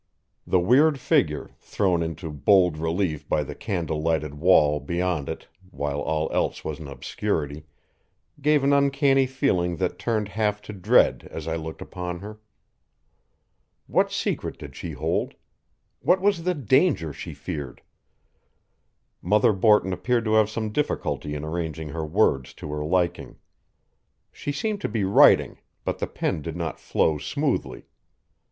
The weird figure, thrown into bold relief by the candle lighted wall beyond it while all else was in obscurity, gave an uncanny feeling that turned half to dread as I looked upon her. What secret did she hold? What was the danger she feared? Mother Borton appeared to have some difficulty in arranging her words to her liking. She seemed to be writing, but the pen did not flow smoothly.